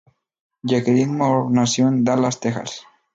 Jacqueline Moore creció en Dallas, Texas.